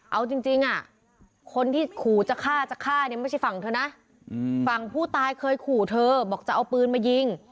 เอาจริงคนที่ขู่จะฆ่าจะฆ่าเนี่ยไม่ใช่ฝั่งเธอนะฝั่งผู้ตายเคยขู่เธอบอกจะเอาปืนมายิง